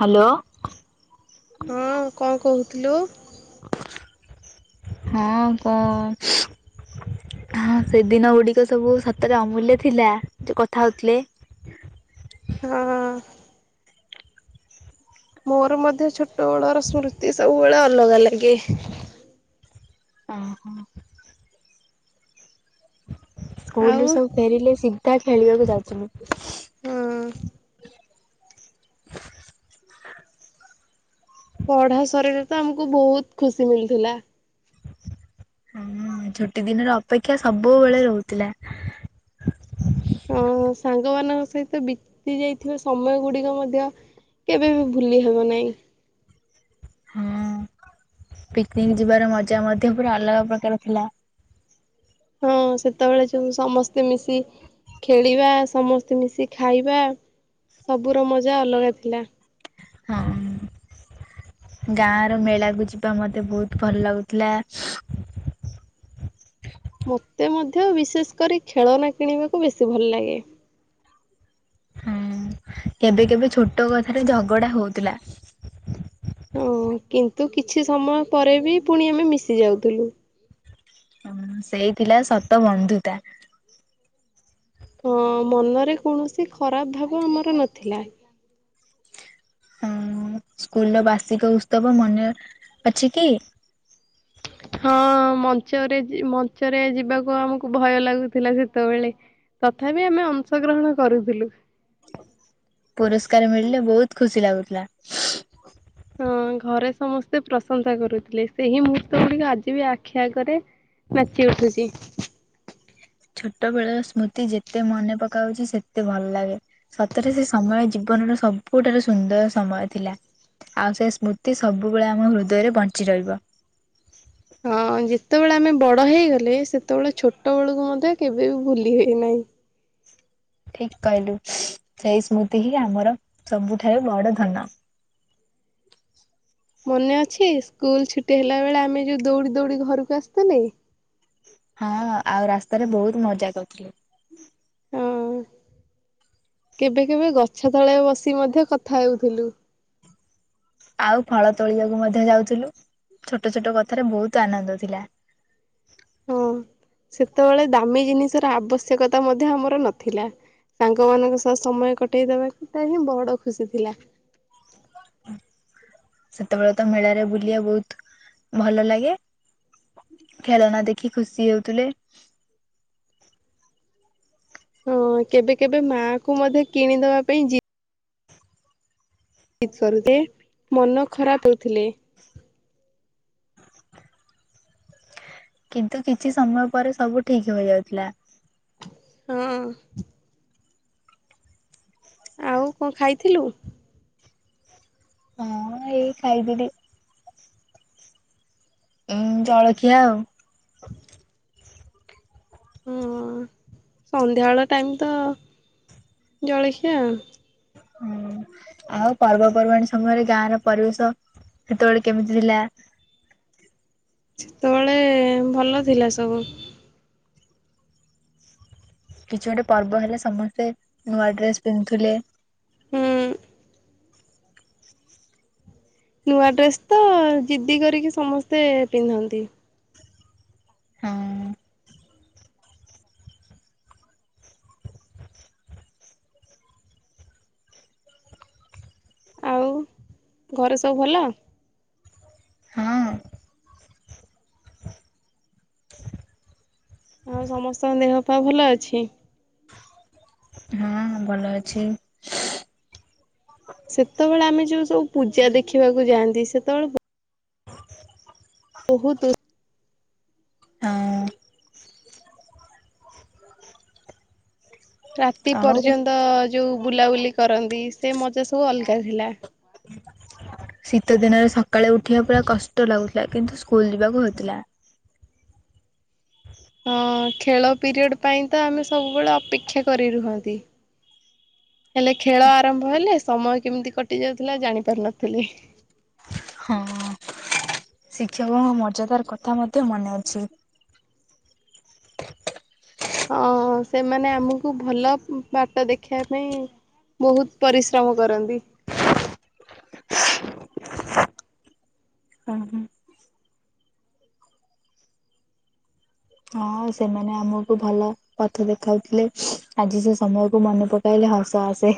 Hello. ହଁ କଣ କହୁଥିଲୁ। ହଁ କହ। ହଁ ସେ ଦିନ ଗୁଡିକ ସବୁ ସତରେ ଅମୂଲ୍ୟ ଥିଲା ଯୋଉ କଥା ହୋଉଥିଲେ। [inaudible] ହଁ ମୋର ମଧ୍ୟ ଛୋଟ ବେଳର ସ୍ମୃତି ସବୁବେଳେ ଅଲଗା ଲାଗେ। ଅ ହଁ ସ୍କୁଲ ରୁ ଆଉ ସବୁ ଫେରିଲେ ସିଧା ଖେଳିବାକୁ ହଁ ଯାଉଥୁଲୁ। [inaudible] ପଢ଼ା ସରିଲେ ତ ଆମକୁ ବହୁତ୍ ଖୁସି ମିଳୁଥିଲା। ହଁ ଛୁଟି ଦିନରେ ଅପେକ୍ଷା ସବୁବେଳେ ରହୁଥିଲା। ହଁ ସାଙ୍ଗମାନଙ୍କ ସହିତ ବିତି ଯାଇଥିବା ସମୟ ଗୁଡ଼ିକ ମଧ୍ୟ କେବେ ବି ଭୁଲି ହେବ ନାହିଁ। [inaudible] ହଁ ପିକନିକ୍ ଯିବାର ମଜା ମଧ୍ୟ ପୁରା ଅଲଗା ପ୍ରକାର ଥିଲା। ହୁଁ ସେତେବେଳେ ଯୋଉ ସମସ୍ତେ ମିଶି ଖେଳିବା ସମସ୍ତେ ମିଶି ଖାଇବା ସବୁର ମଜା ଅଲଗା ଥିଲା। ହଁ। ଗାଁ ର ମେଳା କୁ ଯିବା ମତେ ବହୁତ୍ ଭଲ ଲାଗୁଥିଲା। ମୋତେ ମଧ୍ୟ ବିଶେଷ କରି ଖେଳନା କିଣିବାକୁ ବେଶୀ ଭଲ ଲାଗେ। ହଁ କେବେ କେବେ ଛୋଟ କଥାରେ ଝଗଡା ହୋଉଥିଲା। ହୁଁ କିନ୍ତୁ କିଛି ସମୟ ପରେ ବି ଫୁଣି ଆମେ ମିଶି ଯାଉଥିଲୁ। ହଁ ସେଇ ଥିଲା ସତ ବନ୍ଧୁତା। ହଁ ମନରେ କୌଣସି ଖରାପ ଭାବ ଆମର ନଥିଲା। ହଁ ସ୍କୁଲର ବାର୍ଷିକ ଉସ୍ତବ ମନେ ଅଛି କି? ହଁ ମଞ୍ଚରେ ଯି ମଞ୍ଚରେ ଯିବାକୁ ଆମକୁ ଭୟ ଲାଗୁଥିଲା ସେତେବେଳେ। ତଥାବି ଆମେ ଅଂଶଗ୍ରହଣ କରୁଥିଲୁ। ପୁରସ୍କାର ମିଳିଲେ ବହୁତ୍ ଖୁସି ଲାଗୁଥିଲା। ଆଉ ଘରେ ସମସ୍ତେ ପ୍ରଶଂସା କରୁଥିଲେ ସେହି ମୁହୂର୍ତ୍ତ ଗୁଡ଼ିକ ଆଜି ବି ଆଖି ଆଗରେ ନାଚି ଉଠୁଚି। [inaudible] ଛୋଟ ବେଳର ସ୍ମୃତି ଯେତେ ମନେ ପକାଉଛି ସେତେ ଭଲ ଲାଗେ ସତରେ ସେ ସମୟ ଜୀବନର ସବୁଠାରୁ ସୁନ୍ଦର ସମୟ ଥିଲା । ଆଉ ସେ ସ୍ମୃତି ସବୁବେଳେ ଆମ ହୃଦୟରେ ବଞ୍ଚି ରହିବ। ହଁ ଯେତେବେଳେ ଆମେ ବଡ ହେଇଗଲେ ସେତେବେଳେ ଛୋଟ ବେଳକୁ ମଧ୍ୟ କେବେ ବି ଭୁଲି ହେଇନାହିଁ। ଠିକ କହିଲୁ ସେଇ ସ୍ମୃତି ହିଁ ଆମର ସବୁଠାରୁ ବଡ ଧନ । ମନେ ଅଛି ସ୍କୁଲ ଛୁଟି ହେଲା ବେଳେ ଆମେ ଯୋଉ ଦୌଡି ଦୌଡି ଘରକୁ ଆସୁଥିଲେ । ହଁ ଆଉ ରାସ୍ତାରେ ବହୁତ ମଜା କରୁଥିଲେ । ହଁ କେବେ କେବେ ଗଛ ତଳେ ବସି ମଧ୍ୟ କଥା ହେଉଥୁଲୁ। ଆଉ ଫଳ ତୋଳିବାକୁ ମଧ୍ୟ ଯାଉଥୁଲୁ। ଛୋଟ ଛୋଟ କଥାରେ ବହୁତ ଆନନ୍ଦ ଥିଲା। ହଁ ସେତେବେଳେ ଦାମୀ ଜିନିଷର ଆବଶ୍ୟକତା ମଧ୍ୟ ଆମର ନଥିଲା । ସାଙ୍ଗମାନାନଙ୍କ ସହ ସମୟ କଟେଇ ଦେବାକୁ ତା ହିଁ ବଡ ଖୁସି ଥିଲା । ସେତେବେଳେ ତ ମେଳାରେ ବୁଲିବା ବହୁତ ଭଲ ଲାଗେ । ଖେଳନା ଦେଖି ଖୁସି ହେଉଥିଲେ । ହଁ କେବେ କେବେ ମା କୁ ମଧ୍ୟ କିଣିଦବା ପାଇଁ ଜିଦି ଜିଦକରୁ ମନ ଖରାପ ହେଉଥିଲେ । କିନ୍ତୁ କିଛି ସମୟ ପରେ ସବୁ ଠିକ ହୋଇଯାଉଥିଲା । ହଁ ଆଉ କଣ ଖାଇଥିଲୁ? ହଁ ଏଇ ଖାଇଥିଲି । ଉଁ ଜଳଖିଆ ଆଉ। ହଁ [inaudible] ସନ୍ଧ୍ୟାବେଳ ଟାଇମ ତ ଜଳଖିଆ। ହୁଁ ଆଉ ପର୍ବପର୍ବାଣୀ ସମୟରେ ଗାଁ ର ପରିବେଶ ସେତେବେଳେ କେମିତି ଥିଲା? ସେତେବେଳେ ଭଲ ଥିଲା ସବୁ। କିଛି ଗୋଟେ ପର୍ବ ହେଲେ ସମସ୍ତେ ନୂଆ ଡ୍ରେସ ପିନ୍ଧୁଥିଲେ । ହୁଁ। ନୂଆ ଡ୍ରେସ ତ ଜିଦି କରିକି ସମସ୍ତେ ପିନ୍ଧନ୍ତି । ହଁ ଆଉ ଘରେ ସବୁ ଭଲ? ହଁ ଆଉ ସମସ୍ତଙ୍କ ଦେହ ପା ଭଲ ଅଛି? ହଁ ଭଲ ଅଛି । ସେତେବେଳେ ଆମେ ଯୋଉ ସବୁ ପୂଜା ଦେଖିବାକୁ ଯାଆନ୍ତି ସେତେବେଳେ ବହୁତ ହଁ ରାତି ଆଉ ପର୍ଯ୍ୟନ୍ତ ଯୋଉ ବୁଲାବୁଲି କରନ୍ତି, ସେ ମଜା ସବୁ ଅଲଗା ଥିଲା। ଶୀତ ଦିନରେ ସକାଳେ ଉଠିବା ପୁର କଷ୍ଟ ଲାଗୁଥିଲା, କିନ୍ତୁ ସ୍କୁଲ ଯିବାକୁ ହଉଥିଲା। ହଁ ଖେଳ ପିରିୟଡ଼ ପାଇଁ ତ ଆମେ ସବୁବେଳେ ଅପେକ୍ଷା କରି ରୁହନ୍ତି । ହେଲେ ଖେଳ ଆରମ୍ଭ ହେଲେ ସମୟ କେମିତି କଟି ଯାଉଥିଲା ଜାଣିପାରୁ ନଥିଲେ। ହଁ। ଶିକ୍ଷକଙ୍କ ମଜାଦାର କଥା ମଧ୍ୟ ମନେ ଅଛି। ହଁ ସେମାନେ ଆମକୁ ଭଲ ବାଟ ଦେଖିବା ପାଇଁ ବହୁତ ପରିଶ୍ରମ କରନ୍ତି । [inaudible] ହଁ ସେମାନେ ଆମକୁ ଭଲ ପଥ ଦେଖାଉଥିଲେ ଆଜି ସେ ସମୟକୁ ମନେ ପକାଇଲେ ହସ ଆସେ।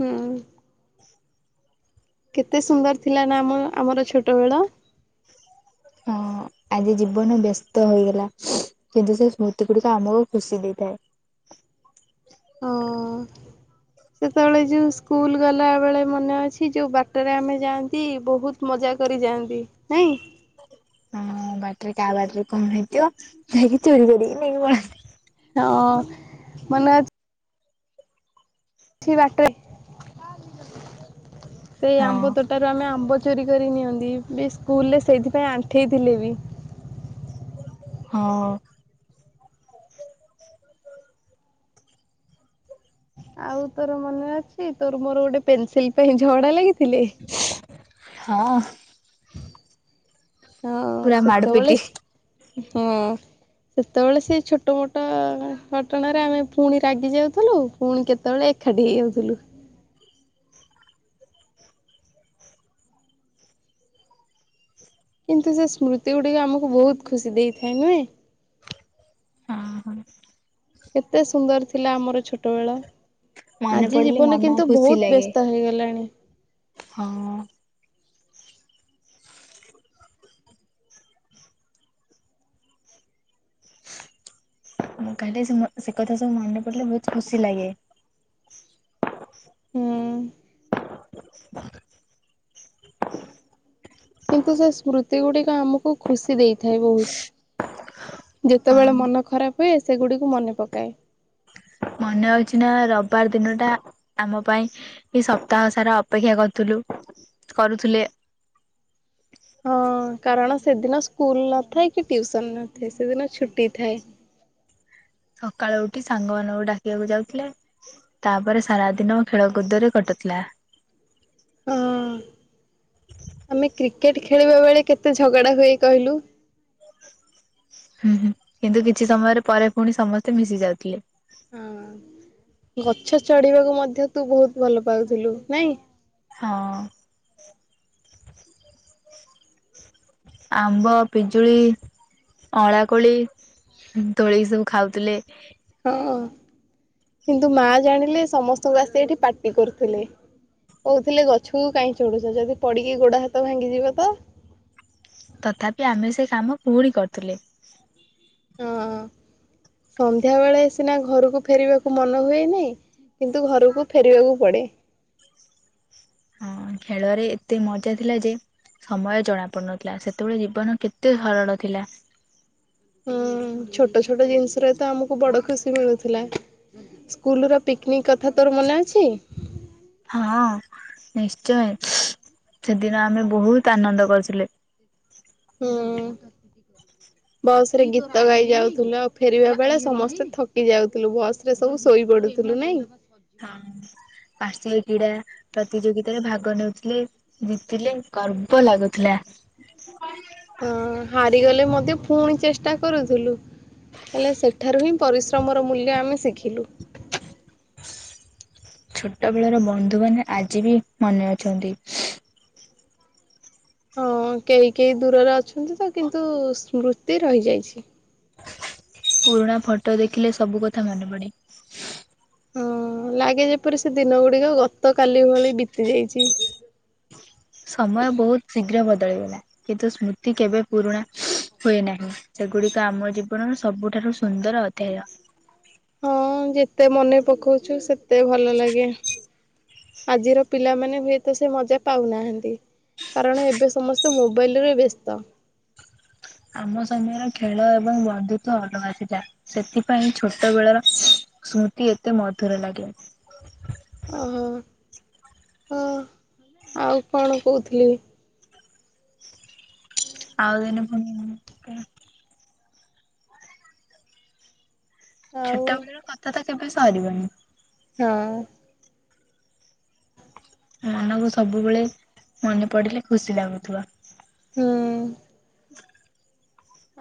ହୁଁ। କେତେ ସୁନ୍ଦର ଥିଲା ନା ଆମ ଆମର ଛୋଟ ବେଳ ହଁ। ଆଜି ଜୀବନ ବ୍ୟସ୍ତ ହେଇଗଲା, କିନ୍ତୁ ସେ ସ୍ମୃତି ଗୁଡିକ ଆମକୁ ଖୁସି ଦେଇଥାଏ । ହଁ। [inaudible] ସେତେବେଳେ ଯୋଉ ସ୍କୁଲ ଗଲା ବେଳେ ମନେ ଅଛି, ଯୋଉ ବାଟରେ ଆମେ ଯାଆନ୍ତି ବହୁତ ମଜା କରି ଯାଆନ୍ତି ନାଇଁ। [inaudible] ହଁ ବାଟରେ କାହା ବାଟରେ କଣ ହେଇଥିବ, ଯାଇକି ଚୋରି କରିକି ନେଇକି ପଳନ୍ତି। ହ ମାନେ ବାଟରେ ସେଇ ହଁ ଆମ୍ବ ତୋଟାରୁ ଆମେ ଆମ୍ବ ଚୋରି କରି ନିଅନ୍ତି, ବି ସ୍କୁଲ ରେ ସେଇଥିପାଇଁ ଆଣ୍ଠେଇ ଥିଲେ ବି ହଁ। ଆଉ ତୋର ମନେ ଅଛି, ତୋର ମୋର ଗୋଟେ ପେନସିଲ ପାଇଁ ଝଗଡା ଲାଗିଥିଲେ? ହଁ। ହଁ ପୁରା ମାଡ ସେତେବେଳେ ପିଟି। ହଁ ସେତେବେଳେ ସେଇ ଛୋଟ ମୋଟ ଘଟଣରେ ଆମେ ପୁଣି ରାଗି ଯାଉଥିଲୁ, ପୁଣି କେତେବେଳେ କଡ ହେଉଦଲୁ କିନ୍ତୁ ସେ ସ୍ମୃତି ଗୁଡିକ ଆମକୁ ବହୁତ ଖୁସି ଦେଇଥାଏ ନୁହେଁ ହଁ ହଁ କେତେ ସୁନ୍ଦର ଥିଲା ଆମର ଛୋଟବେଳ ମନେ ଆଜି ପଡିଲେ ଜୀବନ ମନ କିନ୍ତୁ ବହୁତ ବ୍ୟସ୍ତ ହେଇଗଲାଣି। ହ। ମୁଁ କହିଲେ ସେ କଥା ସବୁ ମନେ ପଡିଲେ ବହୁତ ଖୁସି ଲାଗେ। ହଁ। [inaudible] କିନ୍ତୁ ସେ ସ୍ମୃତି ଗୁଡିକ ଆମକୁ ଖୁସି ଦେଇଥାଏ ବହୁତ। ହଁ ଯେତେବେଳେ ମନ ଖରାପ ହୁଏ ସେଗୁଡିକୁ ମନେ ପକାଏ। ମନେଯଉଛି ନା ରବିବାର ଦିନ ଟା ଆମ ପାଇଁ ଏ ସପ୍ତାହ ସାର ଅପେକ୍ଷା କରୁଥିଲୁ। କରୁଥିଲେ ହଁ କାରଣ ସେଦିନ ସ୍କୁଲ ନଥାଏ କି ଟିଉସନ ନଥାଏ ସେଦିନ ଛୁଟି ଥାଏ। [unintelligible] ସକାଳୁ ଉଠି ସାଙ୍ଗମାନାନଙ୍କୁ ଡାକିବାକୁ ଯାଉଥିଲେ ତାପରେ ସାରା ଦିନ ଖେଳକୁୁଦରେ କଟୁଥିଲା। ଥିଲା। ହଁ ଆମେ କ୍ରିକେଟ ଖେଳିବା ବେଳେ କେତେ ଝଗଡା ହୁଏ କହିଲୁ? ହୁଁ ହୁଁ କିନ୍ତୁ କିଛି ସମୟରେ ପରେ ପୁଣି ସମସ୍ତେ ମିଶି ଯାଉଥିଲେ। ହଁ ଗଛ ଚଢିବାକୁ ମଧ୍ୟ ତୁ ବହୁତ ଭଲ ପାଉଥିଲୁ ନାଇଁ? ହଁ। ଆମ୍ବ ପିଜୁଳି ଅଳା କୋଳି ତୋଳି ସବୁ ଖାଉଥିଲେ। ହଁ କିନ୍ତୁ ମା ଜାଣିଲେ ସମସ୍ତଙ୍କୁ ଆସି ଏଠି ପାଟି କରୁଥିଲେ। କହୁଥିଲେ ଗଛକୁ କାଇହିଁ ଚଢୁଛ ଯଦି ପଡିକି ଗୋଡ ହାତ ଭାଙ୍ଗିଯିବ ତ। ତଥାପି ଆମେ ସେ କାମ ପୁଣି କରୁଥିଲେ। ହଁ ସନ୍ଧ୍ୟା ବେଳେ ସିନା ଘରକୁ ଫେରିବାକୁ ମନ ହୁଏ ନାହିଁ। କିନ୍ତୁ ଘରକୁ ଫେରିବାକୁ ପଡେ। [unintelligible] ହ ଖେଳରେ ଏତେ ମଜା ଥିଲା ଯେ ସମୟ ଜଣା ପଡୁନଥିଲା ସେତେବେଳେ ଜୀବନ କେତେ ସରଳ ଥିଲା। ହଁ। ଛୋଟ ଛୋଟ ଜିନିସରେ ତ ଆମ କୁ ବଡ ଖୁସି ମିଳୁଥିଲା ସ୍କୁଲ ର ପୀକିନିକ କଥା ତ ତୋର ମନେ ଅଛି। ହଁ ନିଶ୍ଚୟ। ସେଦିନ ଆମେ ବହୁତ ଆନନ୍ଦ କରିଥିଲେ। ହୁଁ। [unintelligible] ବସ ରେ ଗୀତ ଗାଇ ଯାଉଥିଲୁ ଆଉ ଫେରିବା ବେଳେ ସମସ୍ତେ ଥକି ଯାଉଥିଲୁ ବସ ରେ ସବୁ ଶୋଇପଡୁ। ଥିଲୁ ନାଇଁ। ହଁ। ଫାର୍ଶ୍ୟ କ୍ରୀଡ଼ା ପ୍ରତିଯୋଗିତାରେ ଭାଗ ନେଉଥିଲେ ଜିତିଲେ ଗର୍ବ ଲାଗୁଥିଲା। [unintelligible] ହଁ ହାରିଗଲେ ମଧ୍ୟ ପୁଣି ଚେଷ୍ଟା କରୁଥିଲୁ। ହେଲେ ସେଠାରୁ ହିଁ ପରିଶ୍ରମର ମୂଲ୍ୟ ଆମେ ଶିଖିଲୁ। ଛୋଟବେ ଳର ବନ୍ଧୁମାନେ ଆଜି ବି ମନେ ଅଛନ୍ତି। ହଁ କେହି କେହି ଦୂରରେ ଅଛନ୍ତି ତ କିନ୍ତୁ ସ୍ମୃତି ରହିଯାଇଛି। ପୁରୁଣା ଫଟୋ ଦେଖିଲେ ସବୁ କଥା ମନେ ପଡେ। ହଁ ଲାଗେ ଯେପରି ସେ ଦିନ ଗୁଡିକ ଗତ କାଲି ଭଳି ବିତି ଯାଇଛି। ସମୟ ବହୁତ ଶୀଘ୍ର ବଦଳିଗଲା କିନ୍ତୁ ସ୍ମୃତି କେବେ ପୁରୁଣା ହୁଏ ନାହିଁ ସେଗୁଡିକ ଆମ ଜୀବନର ସବୁଠାରୁ ସୁନ୍ଦର ଅଧ୍ୟାୟ। ହଁ ଯେତେ ମନେ ପକଉଛୁ ସେତେ ଭଲ ଲାଗେ। ଆଜିର ପିଲାମାନେ ହୁଏତ ସେ ମଜା ପାଉନାହାନ୍ତି। କାରଣ ଏବେ ସମସ୍ତେ ମୋବାଇଲରେ ବ୍ୟସ୍ତ। ଆମ ସମୟରେ ଖେଳ ଏବଂ ବନ୍ଧୁତ୍ବ ଅଲଗା ଥିଲା। ସେଥିପାଇଁ ଛୋଟ ବେଳର ସ୍ମୃତି ଏତେ ମଧୁର ଲାଗେ। ଓହୋ ହଁ ଆଉ କଣ କହୁଥିଲି ଆଉଦିନ ଫୁଣି ଆଉ ଛୋଟ ବେଳର କଥା ତ କେବେ ସରିବନି। ହଁ। ମନକୁ ସବୁବେଳେ ମନେ ପଡିଲେ ଖୁସି ଲାଗୁଥିବ। ହୁଁ।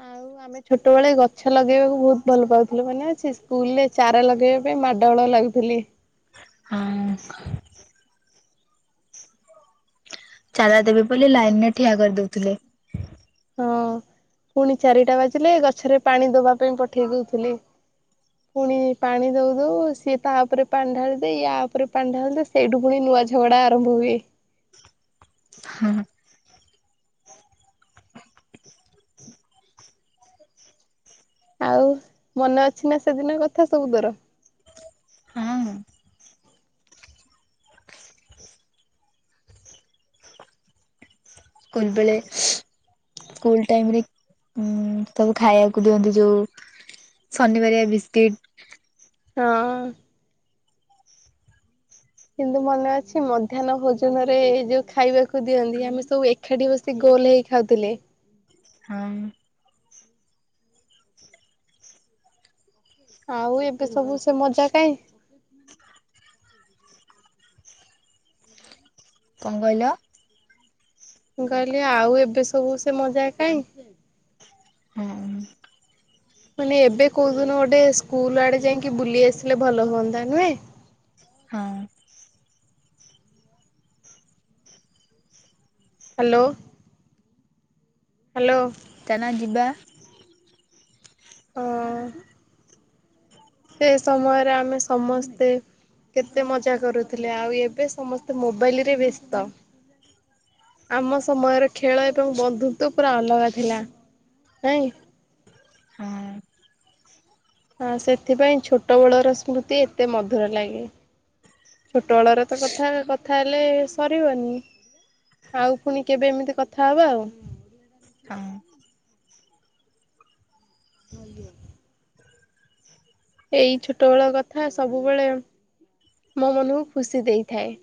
ଆଉ ଆମେ ଛୋଟବେେଳେ ଗଛ ଲଗେଇବାକୁ ବହୁତ ଭଲ ପାଉଥିଲୁ, ମାନେ ଅଛି ସ୍କୁଲ ରେ ଚାରା ଲଗେଇବା ପାଇଁ ମାଡ଼ଗଳ ଲାଗୁଥିଲି। ହ। ଚାରା ଦେବି ବୋଲି ଲାଇନରେ ଠିଆ କରିଦଉଥିଲେ। ହଁ, ପୁଣି ଚାରିଟା ବାଜିଲେ ଗଛରେ ପାଣି ଦବା ପାଇଁ ପଠେଇ ଦଉଥିଲେ। ପୁଣି ପାଣି ଦଉ ଦଉ ସିଏ ତା ଉପରେ ପାଣି ଢାଳିଦ ୟା ଉପରେ ପାଣି ଢାଳି ଦେ ସେଇଠୁ ପୁଣି କୁଆ ଝଗଡା ଆରମ୍ଭ ହୁଏ। ହଁ। ଆଉ ମନେ ଅଛି ନା ସେଦିନ କଥା ସବୁ ତୋର। ହଁ ସ୍କୁଲବେଳେ ସ୍କୁଲ ଟାଇମ ରେ ଉ ସବୁ ଖାଇବାକୁ ଦିଅନ୍ତି ଯୋଉ। ଶନିବାରଆ ବିସ୍କିଟ୍ ହଁ। କିନ୍ତୁ ମନେ ଅଛି ମଧ୍ୟାହ୍ନ ଭୋଜନରେ ଯୋଉ ଖାଇବାକୁ ଦିଅନ୍ତି ଆମେ ସବୁ ଏକାଠି ବସି ଗୋ ଲ ହେଇ ଖାଉଥିଲେ । ହଁ। ଆଉ ଏବେ ସବୁ ସେ ମଜା କାଇଁ? କଣ କଇଲ? ମୁଁ କହିଲି ଆଉ ଏବେ ସବୁ ସେ ମଜା କାଇ? ହଁ ମାନେ ଏବେ କହୁଦିନ ଗୋଟେ ସ୍କୁଲ ଆଡେ ଯାଇକି ବୁଲି ଆସିଲେ ଭଲ ହୁଅନ୍ତା ନୁହେଁ। ହଁ। ହାଲୋ। ହାଲୋ। ଚାନା ଯିବା। ହ। ସେ ସମୟରେ ଆମେ ସମସ୍ତେ କେତେ ମଜା କରୁଥିଲେ ଆଉ ଏବେ ସମସ୍ତେ ମୋବାଇଲ ରେ ବ୍ୟସ୍ତ। ଆମ ସମୟର ଖେଳ ଏବଂ ବନ୍ଧୁତ୍ବ ପୁରା ଅଲଗା ଥିଲା। ନାଇଁ? ହଁ। ହଁ ସେଥିପାଇଁ ଛୋଟ ବେଳର ସ୍ମୃତି ଏତେ ମଧୁର ଲାଗେ। ଛୋଟବେଳରେ ତ କଥା କଥା ହେଲେ ସରିବନି। ଆଉ ପୁଣି କେବେ ଏମିତି କଥା ହବା ଆଉ। ହଁ [inaudible] ଏଇ ଛୋଟ ବେଳ କଥା ସବୁବେଳେ ମୋ ମନକୁ ଖୁସି ଦେଇଥାଏ।